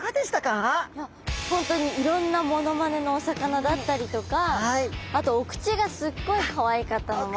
本当にいろんなモノマネのお魚だったりとかあとお口がすっごいかわいかったのもあるし。